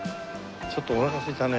ちょっとおなかすいたね。